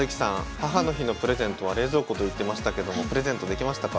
母の日のプレゼントは冷蔵庫と言ってましたけどもプレゼントできましたか？